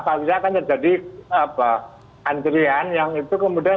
kalau tidak akan terjadi antrian yang itu kemudian